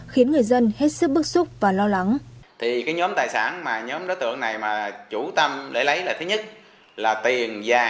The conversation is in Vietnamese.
khiến người dân hết sức bức xúc và lo lắng